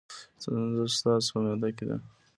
ستونزه ستاسو په معده کې ده.